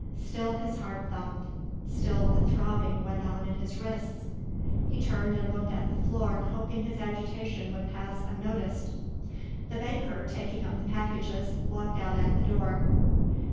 Still his heart thumped; still a throbbing went on in his wrists. He turned and looked at the floor hoping his agitation would pass unnoticed. The banker, taking up the packages, walked out at the door.